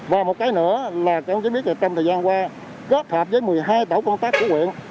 và một cái nữa là chẳng biết là trong thời gian qua kết hợp với một mươi hai tổ công tác của huyện